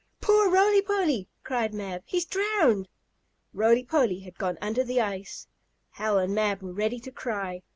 "Poor Roly Poly!" cried Mab. "He's drowned!" Roly Poly had gone under the ice. Hal and Mab were ready to cry.